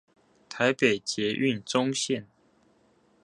台北捷運棕線